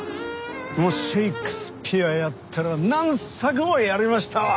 もうシェイクスピアやったら何作もやりましたわ。